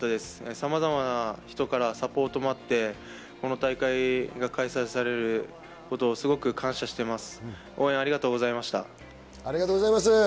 様々な人からサポートもあって、この大会が開催されることをすごく感謝しています。